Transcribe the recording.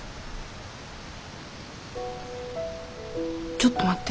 ちょっと待って。